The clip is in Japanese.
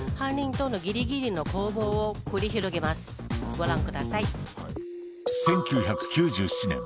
ご覧ください。